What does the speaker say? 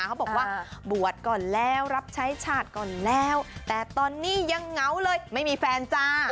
เขาบอกว่าบวชก่อนแล้วรับใช้ชาติก่อนแล้วแต่ตอนนี้ยังเหงาเลยไม่มีแฟนจ้า